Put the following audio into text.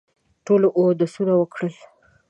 ټولو اودسونه وکړل.